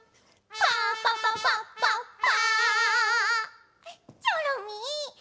パパパパッパッパ。